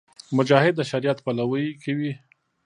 مجاهد د شریعت پلوۍ کوي.